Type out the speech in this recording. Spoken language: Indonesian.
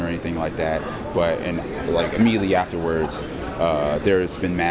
dan sangat sukar menemukan tempat baru untuk pergi